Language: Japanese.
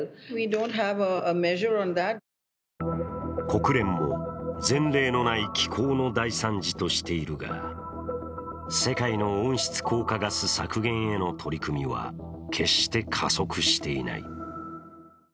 国連も、前例のない気候の大惨事としているが、世界の温室効果ガス削減への取り組みは決して加速していない。